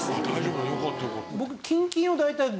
よかったよかった。